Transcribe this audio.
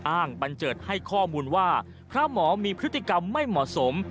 บันเจิดให้ข้อมูลว่าพระหมอมีพฤติกรรมไม่เหมาะสม